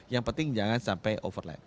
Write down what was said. yang penting jangan sampai overlap